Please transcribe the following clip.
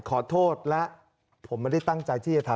ขอโทษและผมไม่ได้ตั้งใจที่จะทำ